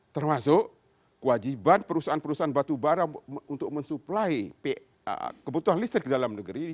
termasuk kewajiban perusahaan perusahaan batubara untuk mensuplai kebutuhan listrik dalam negeri